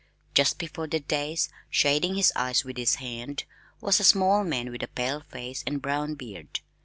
Just before the dais, shading his eyes with his hand, was a small man with a pale face and brown beard.